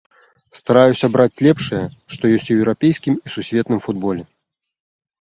Стараюся браць лепшае, што ёсць у еўрапейскім і сусветным футболе.